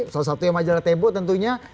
salah satu yang majalah tempo tentunya